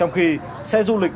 trong khi xe du lịch